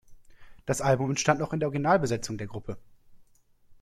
Das Album entstand noch in der Originalbesetzung der Gruppe.